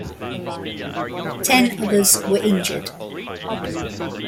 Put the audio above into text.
Ten others were injured.